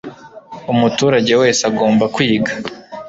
umuturage wese agomba kwiga